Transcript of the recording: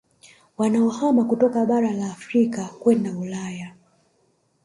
Wanaohama kutoka Bara la Afrika kwenda Ulaya